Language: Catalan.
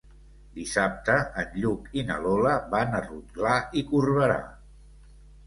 Dissabte en Lluc i na Lola van a Rotglà i Corberà.